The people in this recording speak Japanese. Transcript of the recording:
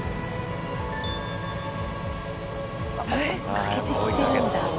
追っかけてきてるんだ。